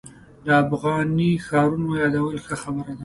د افغاني ښارونو یادول ښه خبره ده.